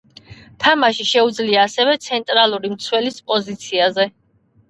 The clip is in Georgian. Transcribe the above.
თამაში შეუძლია ასევე ცენტრალური მცველის პოზიციაზე.